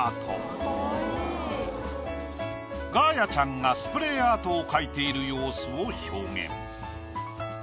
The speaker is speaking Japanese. ガーヤちゃんがスプレーアートを描いている様子を表現。